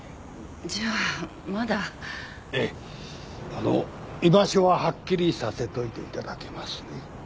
あの居場所ははっきりさせといていただけますね？